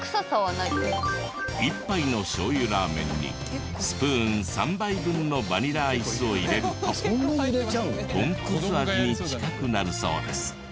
１杯のしょう油ラーメンにスプーン３杯分のバニラアイスを入れると豚骨味に近くなるそうです。